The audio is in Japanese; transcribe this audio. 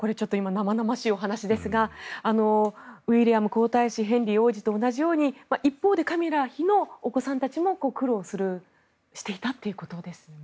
生々しいお話ですがウィリアム皇太子ヘンリー王子と同じように一方でカミラ王妃のお子さんたちも苦労していたということですね。